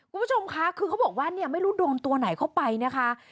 คุณผู้ชมคะคือเขาบอกว่าเนี่ยไม่รู้โดนตัวไหนเข้าไปนะคะ